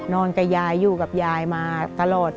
นอนกับยายอยู่กับยายมาตลอด